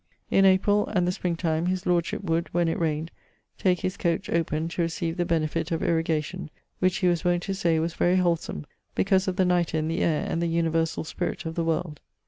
In April, and the springtime, his lordship would, when it rayned, take his coach (open) to recieve the benefit of irrigation, which he was wont to say was very wholsome because of the nitre in the aire and the universall spirit of the world.